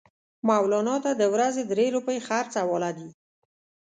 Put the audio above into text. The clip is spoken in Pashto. مولنا ته د ورځې درې روپۍ خرڅ حواله دي.